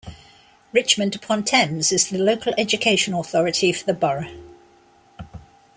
Richmond upon Thames is the local education authority for the borough.